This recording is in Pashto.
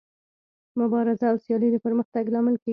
مبارزه او سیالي د پرمختګ لامل کیږي.